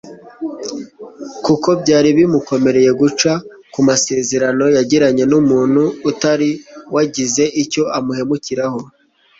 kuko byari bimukomereye guca ku masezerano yagiranye n'umuntu utari wagize icyo amuhemukiraho